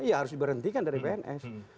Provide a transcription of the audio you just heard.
ya harus diberhentikan dari pns